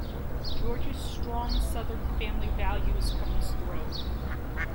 George's strong Southern family values come through.